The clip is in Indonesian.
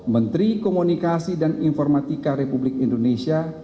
menteri komunikasi dan informatika republik indonesia